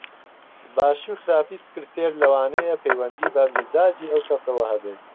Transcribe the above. باشی و خراپی سکرتێر لەوانەیە پەیوەندی بە میزاجی ئەو کەسەوە هەبێت